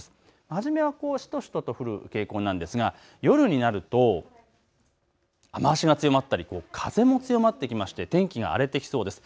初めは、しとしとと降る傾向なんですが、夜になると、雨足が強まって風が強まってきまして天気が荒れてきそうです。